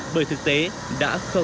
bởi thực tế đã không ít vụ pha trạm